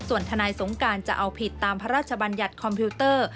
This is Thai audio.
ส่วนทนายสงการจะเอาผิดตามพระราชบัญญัติคอมพิวเตอร์